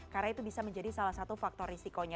karena itu bisa menjadi salah satu faktor risikonya